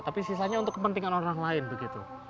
tapi sisanya untuk kepentingan orang lain begitu